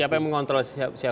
siapa yang mengontrol siapa